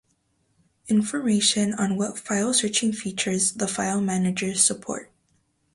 Information on what file searching features the file managers support.